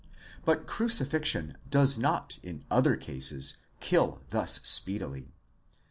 But crucifixion does not in other cases kill thus speedily.